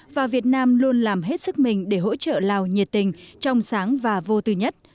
và việt nam luôn làm hết sức mình để hỗ trợ lào nhiệt tình trong sáng và vô tư nhất